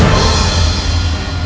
dia akan menangkapmu